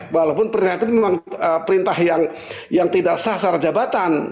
walaupun pernyataan itu memang perintah yang tidak sah secara jabatan